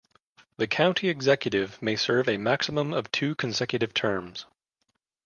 The County Executive may serve a maximum of two consecutive terms.